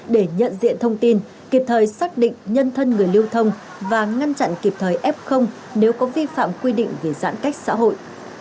để nhận diện thông tin kịp thời xác định nhân thân người lưu thông và ngăn chặn kịp thời f nếu có vi phạm quy định về giãn cách xã hội